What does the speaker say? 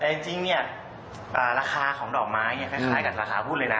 แต่จริงเนี่ยราคาของดอกไม้เนี่ยคล้ายกับราคาหุ้นเลยนะ